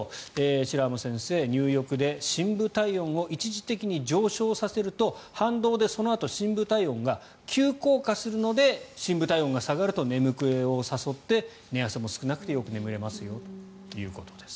白濱先生、入浴で深部体温を一時的に上昇させると反動でそのあと深部体温が急降下するので深部体温が下がると眠気を誘って寝汗も少なくてよく眠れますよということです。